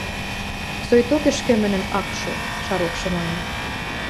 – Соикток ӹшкӹмӹнӹм ак шо, – Шаровшы маньы.